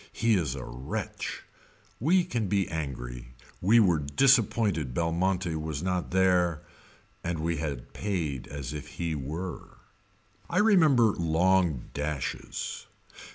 He is a wretch. We can be angry. We were disappointed Belmonte was not there and we had paid as if he were. I remember long dashes.